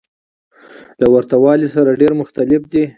له ورته والي سره سره ډېر مختلف دى.